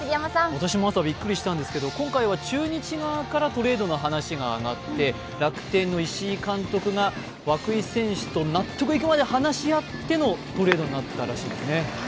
私もびっくりしたんですけど、今回は中日側からトレードの話があって楽天の石井監督が涌井選手と納得いくまで話し合ってのトレードだったらしいですね。